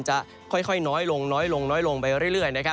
จะค่อยน้อยลงไปเรื่อย